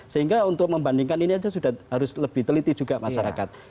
sehingga untuk membandingkan ini saja sudah harus lebih teliti juga masyarakat